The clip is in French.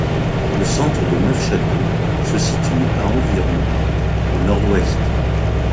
Le centre de Neufchâteau se situe à environ au nord-ouest.